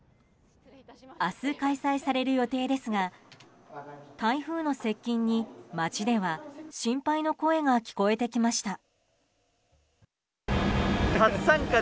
明日開催される予定ですが台風の接近に、街では心配の声が聞こえていました。